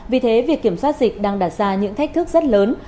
vì thế việc kiểm soát dịch đang đặt ra những thách thức rất lớn